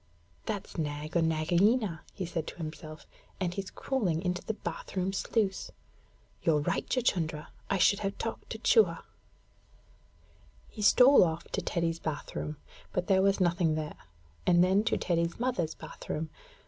'That's Nag or Nagaina,' he said to himself; 'and he's crawling into the bath room sluice. You're right, Chuchundra; I should have talked to Chua.' He stole off to Teddy's bath room, but there was nothing there, and then to Teddy's mother's bath room.